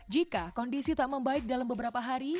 jika kondisi tak membaik dalam beberapa hari